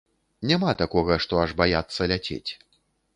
Няма такога, што аж баяцца ляцець.